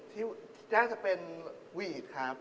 ที่น่าจะเป็นวีดครับ